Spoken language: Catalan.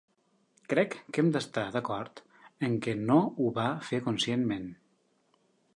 Crec que hem d'estar d'acord en què no ho va fer conscientment.